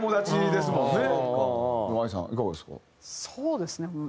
そうですね。